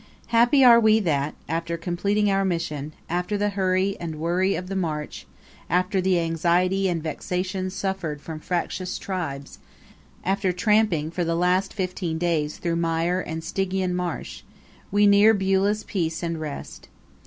Happy are we that, after completing our mission, after the hurry and worry of the march, after the anxiety and vexation suffered from fractious tribes, after tramping for the last fifteen days through mire and Stygian marsh, we near Beulah's peace and rest!